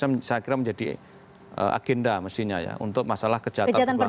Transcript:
itu harusnya saya kira menjadi agenda mestinya ya untuk masalah kejahatan perbankan